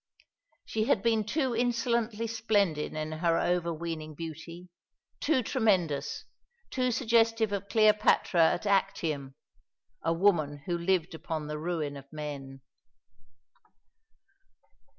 She had been too insolently splendid in her overweening beauty, too tremendous, too suggestive of Cleopatra at Actium, a woman who lived upon the ruin of men.